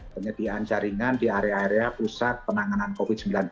penyediaan jaringan di area area pusat penanganan covid sembilan belas